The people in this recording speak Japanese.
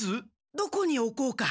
どこにおこうか？